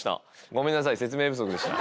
ごめんなさい説明不足でした。